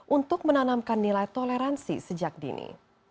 untuk menanamkan nilai toleransi sejak dini